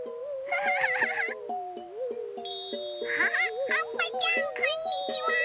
アハはっぱちゃんこんにちは！